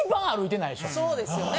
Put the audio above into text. そうですよね？